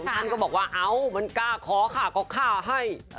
ท่านก็บอกว่าเอ้ามันกล้าขอค่ะก็ฆ่าให้